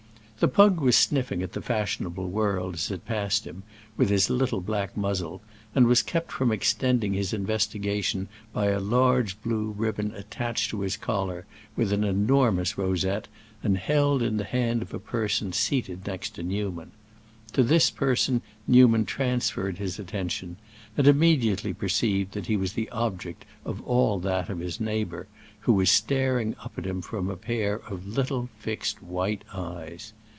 The pug was sniffing at the fashionable world, as it passed him, with his little black muzzle, and was kept from extending his investigation by a large blue ribbon attached to his collar with an enormous rosette and held in the hand of a person seated next to Newman. To this person Newman transferred his attention, and immediately perceived that he was the object of all that of his neighbor, who was staring up at him from a pair of little fixed white eyes.